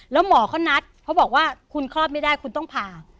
แล้วหมอเขานัดเขาบอกว่าคุณคลอดไม่ได้คุณต้องผ่า